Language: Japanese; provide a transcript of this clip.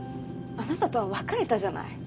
あなたとは別れたじゃない。